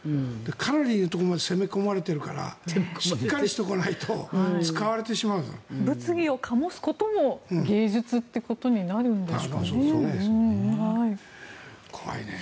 かなりのところまで攻め込まれているからしっかりしておかないと物議を醸すことも芸術ってことになるんでしょうかね。